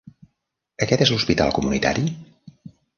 Aquest és l'hospital comunitari?